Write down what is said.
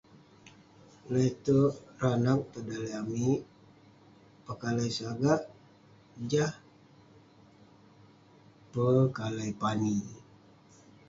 Le'terk ireh anag tong daleh amik, pekalai sagak, jah..pekalai pani..